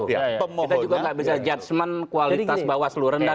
kita juga nggak bisa judgement kualitas bawah seluruh rendah